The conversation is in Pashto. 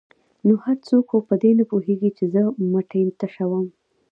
ـ نو هر څوک خو په دې نه پوهېږي چې زه مټۍ تشوم.